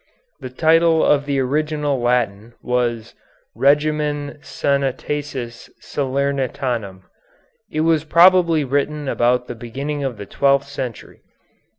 The title of the original Latin was "Regimen Sanitatis Salernitanum." It was probably written about the beginning of the twelfth century.